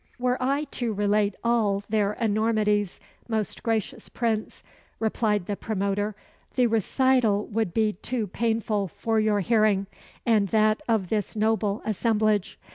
"Were I to relate all their enormities, most gracious Prince," replied the promoter, "the recital would be too painful for your hearing, and that of this noble assemblage.